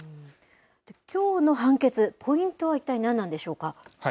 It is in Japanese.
きょうの判決、ポイントは一体何なんでしょうか。